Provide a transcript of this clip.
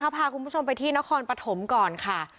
ค่ะพาคุณผู้ชมไปที่ณคอนประถมก่อนค่ะ